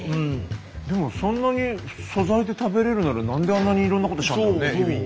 でもそんなに素材で食べれるなら何であんなにいろんなことしたんだろうねエビに。